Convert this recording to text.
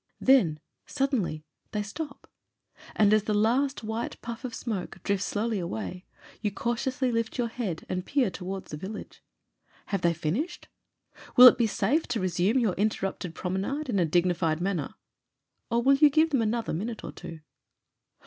Then, suddenly, they stop, and as the last white puflf of smoke drifts slowly away you cautiously lift your head and peer towards the village. Have they fin ished? Will it be safe to resume your interrupted promenade in a dignified manner? Or will you give them another minute or two?